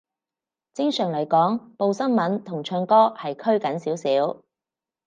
正常嚟講，報新聞同唱歌係拘謹少少